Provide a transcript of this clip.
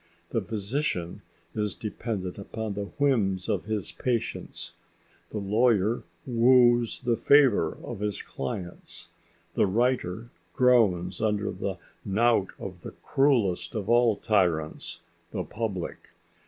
The physician is dependent upon the whims of his patients; the lawyer woos the favour of his clients; the writer groans under the knout of the cruelest of all tyrants: the public.